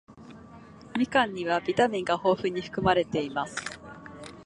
みかんにはビタミンが豊富に含まれています。